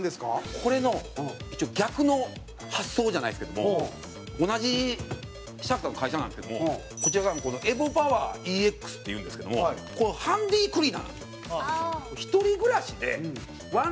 これの逆の発想じゃないですけども同じシャークさんの会社なんですけどもこちらがＥＶＯＰＯＷＥＲＥＸっていうんですけどもハンディクリーナーなんですよ。